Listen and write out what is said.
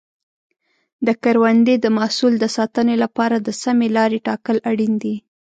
د کروندې د محصول د ساتنې لپاره د سمې لارې ټاکل اړین دي.